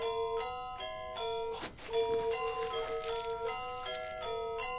あっ。